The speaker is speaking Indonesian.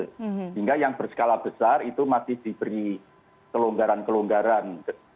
sehingga yang berskala besar itu masih diberi kelonggaran kelonggaran